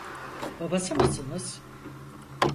Babası mısınız?